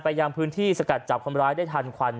ยังพื้นที่สกัดจับคนร้ายได้ทันควัน